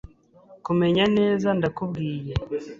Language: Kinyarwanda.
Kumenya neza ndakubwiye